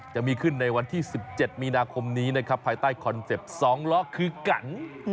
จะมีขึ้นในวันที่๑๗มีนาคมนี้นะครับภายใต้คอนเซ็ปต์๒ล้อคือกัน